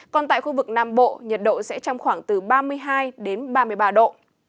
còn tại khu vực nam bộ nhiệt độ sẽ trong khoảng từ ba mươi hai đến ba mươi ba độ